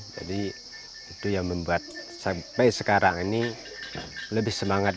jadi itu yang membuat sampai sekarang ini lebih semangat